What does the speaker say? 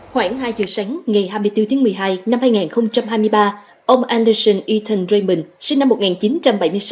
khoảng hai giờ sáng ngày hai mươi bốn tháng một mươi hai năm hai nghìn hai mươi ba ông anderson ethan raymond sinh năm một nghìn chín trăm bảy mươi sáu